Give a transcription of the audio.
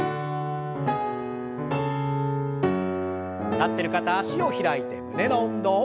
立ってる方脚を開いて胸の運動。